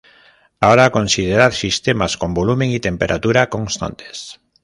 Ahora considerar sistemas con volumen y temperatura constantes.